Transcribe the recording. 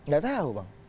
gak tahu bang